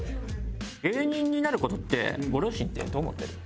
芸人になる事ってご両親ってどう思ってる？